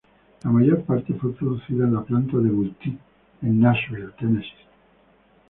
La mayor parte fue producida en la planta de Vultee en Nashville, Tennessee.